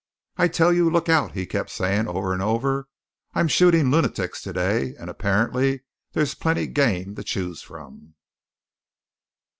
"I tell you, look out!" he kept saying over and over. "I'm shootin' lunatics to day; and apparently there's plenty game to choose from."